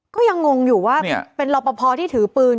ก็ยังงงอยู่ว่าเป็นรอปภที่ถือปืน